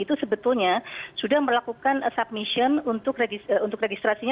tentunya sudah melakukan submission untuk registrasinya